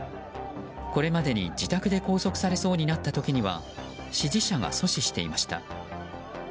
これまで自宅で拘束されそうになった時には支持者が阻止していました。